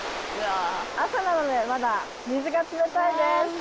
朝なのでまだ水が冷たいです。